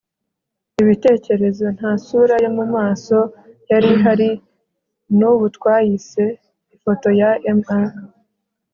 ibitekerezo. nta isura yo mu maso yari ihari; n'ubu twayise ifoto ya mr